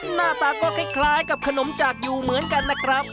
หน้าตาก็คล้ายกับขนมจากอยู่เหมือนกันนะครับ